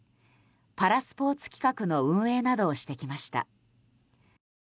パラスポーツ企画の運営などをしてきました。